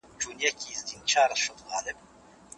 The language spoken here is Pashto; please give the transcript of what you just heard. ټولنیز واقعیت تر فرد مخکې موجود و.